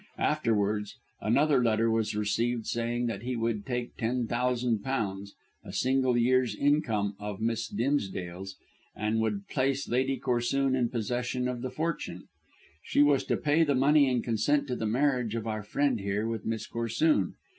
Afterwards another letter was received saying that he would take ten thousand pounds a single year's income of Miss Dimsdale's and would place Lady Corsoon in possession of the fortune. She was to pay the money and consent to the marriage of our friend here with Miss Corsoon.